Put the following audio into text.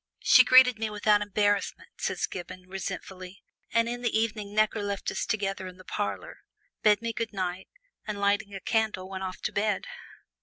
"She greeted me without embarrassment," says Gibbon, resentfully; "and in the evening Necker left us together in the parlor, bade me good night, and lighting a candle went off to bed!"